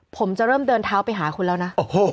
ผมจะเริ่มเดินเท้าไปหาคุณแล้วนะ